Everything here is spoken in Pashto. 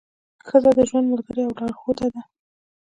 ښځه د ژوند ملګرې او لارښوده ده.